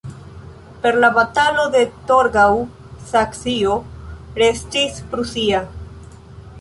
Per la Batalo de Torgau Saksio restis prusia.